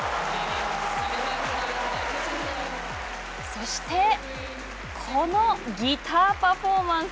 そして、このギターパフォーマンス。